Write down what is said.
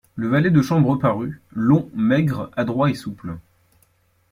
Le valet de chambre reparut, long, maigre, adroit et souple.